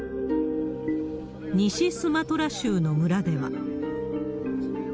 西スマトラ州の村では。